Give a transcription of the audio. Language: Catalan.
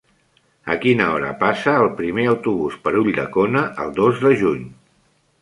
A quina hora passa el primer autobús per Ulldecona el dos de juny?